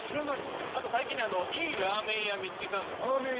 あと最近ねいいラーメン屋見つけたんですけど。